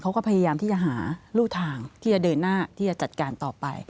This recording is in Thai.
เขาก็พยายามที่จะหารู่ทางที่จะเดินหน้าที่จะจัดการต่อไป